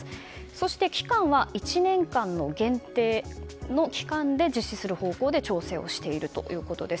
そして１年間の限定の期間で実施する方向で調整をしているということです。